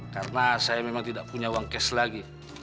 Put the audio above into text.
karena saya memang tidak punya uang cash lagi